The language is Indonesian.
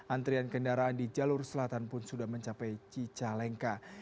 antrian kendaraan di jalur selatan pun sudah mencapai cicalengka